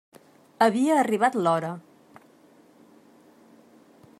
Havia arribat l'hora.